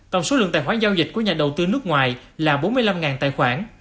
tổng số lượng tài khoản giao dịch của nhà đầu tư nước ngoài là bốn mươi năm tài khoản